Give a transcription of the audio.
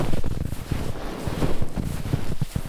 经纪公司为日本音乐娱乐。